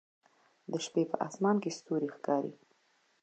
د شپې په اسمان کې ستوري ښکاري